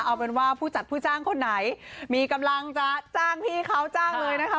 เอาเป็นว่าผู้จัดผู้จ้างคนไหนมีกำลังจะจ้างพี่เขาจ้างเลยนะคะ